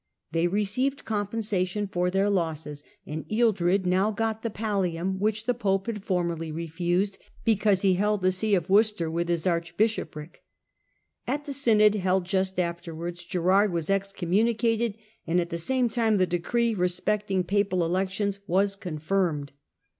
They received compensation for their losses, and Ealdred now got the pallium which the pope had formerly refused because he held the see of Worcester with his arch bishopric. At the synod held just afterwards, Girard was excommunicated, and at the same time the decree respecting papal elections was confirmed.